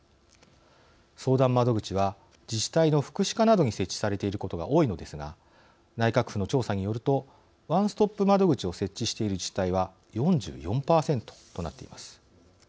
相談窓口は自治体の福祉課などに設置されていることが多いのですが内閣府の調査によるとワンストップ窓口を設置している自治体は４４％となっています。